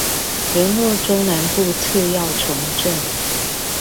連絡中南部次要城鎮